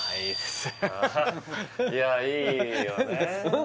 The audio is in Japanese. いやいいよね